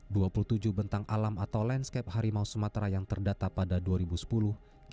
dan ini baru usia lepas dari induk